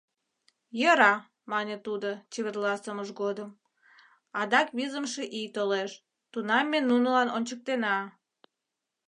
— «Йӧра, — мане тудо чеверласымыж годым, — адак визымше ий толеш, тунам ме нунылан ончыктена».